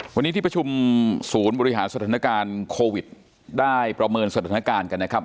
วันนี้ที่ประชุมศูนย์บริหารสถานการณ์โควิดได้ประเมินสถานการณ์กันนะครับ